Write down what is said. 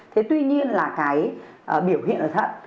thế tuy nhiên là cái biểu hiện ở thận